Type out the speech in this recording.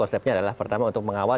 konsepnya adalah pertama untuk mengawal